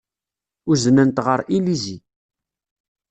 Uznen-t ɣer Illizi.